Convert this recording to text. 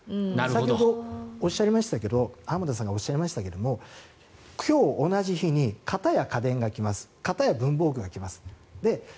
先ほど浜田さんがおっしゃいましたが今日、同じ日に片や家電が来ます片や文房具が来ます。